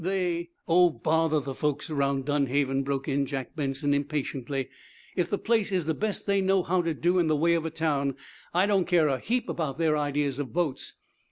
They " "Oh, bother the folks around Dunhaven!" broke in Jack Benson, impatiently. "If the place is the best they know how to do in the way of a town, I don't care a heap about their ideas of boats.